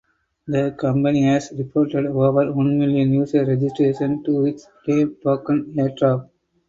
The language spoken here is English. The company has reported over one million user registrations to its Flame Token airdrop.